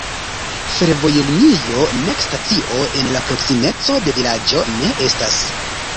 Fervojlinio nek stacio en la proksimeco de vilaĝo ne estas.